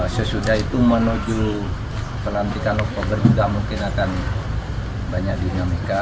sesudah itu menuju pelantikan oktober juga mungkin akan banyak dinamika